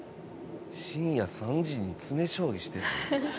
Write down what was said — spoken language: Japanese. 深夜３時に詰め将棋してる。